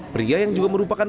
pria yang juga merupakan